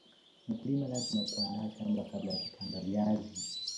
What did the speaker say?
mkulima lazima kuandaa shamba kabla ya kupanda viazi